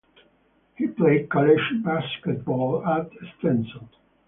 He played college basketball at Stetson.